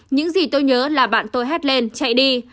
những gì tôi nhớ là bạn tôi hát lên chạy đi